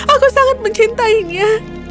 aku sangat mencintainya